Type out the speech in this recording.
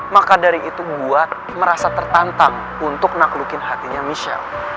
maka dari itu gua merasa tertantang untuk naklukin hatinya michelle